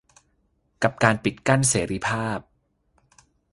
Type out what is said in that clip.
กับการปิดกั้นเสรีภาพ